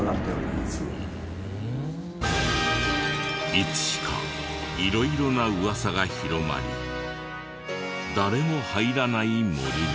いつしか色々な噂が広まり誰も入らない森に。